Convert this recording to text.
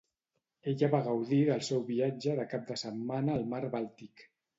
Ella va gaudir del seu viatge de cap de setmana al mar Bàltic.